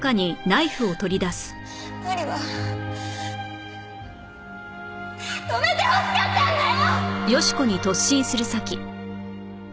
麻里は止めてほしかったんだよ！